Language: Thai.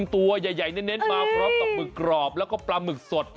ตัวใหญ่เน้นมาพร้อมกับหมึกกรอบแล้วก็ปลาหมึกสด